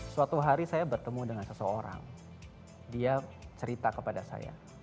suatu hari saya bertemu dengan seseorang dia cerita kepada saya